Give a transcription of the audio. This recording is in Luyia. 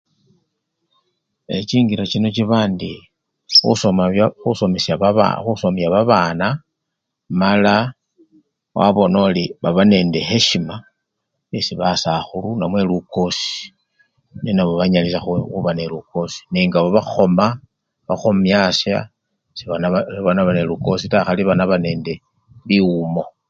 E! chingelochino chaba ndi khusomya bya! khusomesya! baba! Khusomya babana mala wabona ori baba nende hesyima esibasakhulu namwe lukosi nenabo banyalisye khu! khuba nelukosi nenga babakhoma babakhomyasa sebanakho! nabanelukosi taa banaba nende biwumo.